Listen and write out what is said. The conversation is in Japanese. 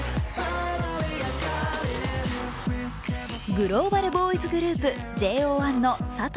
グローバルボーイズグループ、ＪＯ１の佐藤